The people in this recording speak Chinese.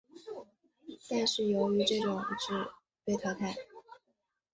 但是由于这种指针设计极易导致飞行员在压力下误读当前海拔高度而被淘汰。